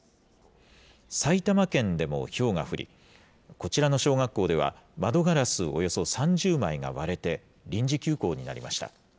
埼玉県でもひょうが降り、こちらの小学校では、窓ガラスおよそ３０枚が割れて、臨時休校になりました。